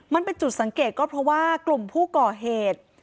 มันเป็นจุดสังเกตก็เพราะว่ากลุ่มผู้ก่อเหตุ